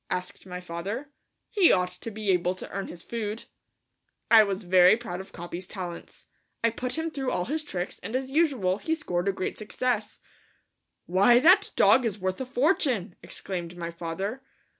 asked my father. "He ought to be able to earn his food." I was very proud of Capi's talents. I put him through all his tricks and as usual he scored a great success. "Why, that dog is worth a fortune," exclaimed my father.